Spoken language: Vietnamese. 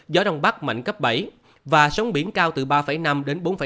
gió đông bắc mạnh cấp bảy và sông biển cao từ ba năm bốn năm m